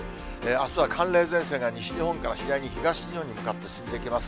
あすは寒冷前線が西日本から次第に東日本に向かって進んでいきます。